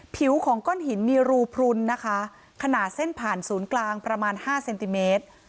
ผิวของก้อนหินมีรูพลุนนะคะขนาดเส้นผ่านศูนย์กลางประมาณห้าเซนติเมตร